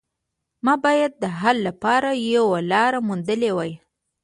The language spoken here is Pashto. ما باید د حل لپاره یوه لاره موندلې وای